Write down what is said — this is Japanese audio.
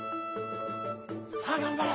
さあがんばれ！